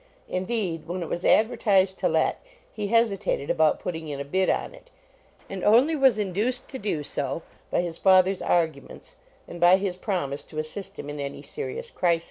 Indeed, when it was advertised to let, he hesi tated about putting in a bid on it, and only was induced to do so by his father s arguments and by his promise to assist him in any serious cri i